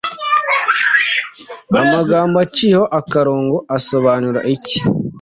Amagambo aciyeho akarongo asobanura iki?